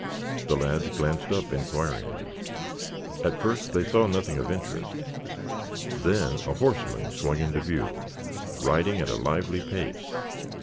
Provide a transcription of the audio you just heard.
The lads glanced up inquiringly. At first they saw nothing of interest. Then a horseman swung into view, riding at a lively pace.